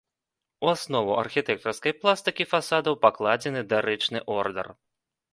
У аснову архітэктарскай пластыкі фасадаў пакладзены дарычны ордар.